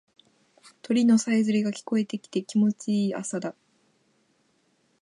鳥のさえずりが聞こえてきて気持ちいい朝だ。